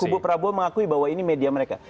kubu prabowo mengakui bahwa ini media mereka